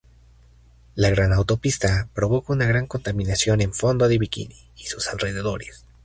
La Gran Autopista provoca una gran contaminación en Fondo de Bikini y sus alrededores.